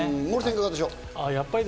モーリーさん、いかがでしょう？